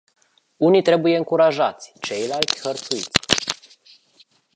Unii trebuie încurajați, ceilalți hărțuiți.